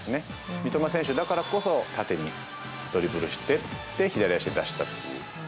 三笘選手だからこそ縦にドリブルして、左足で出したっていう。